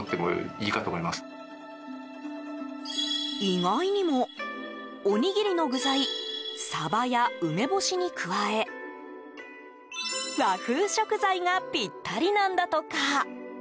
意外にも、おにぎりの具材サバや梅干しに加え和風食材がピッタリなんだとか。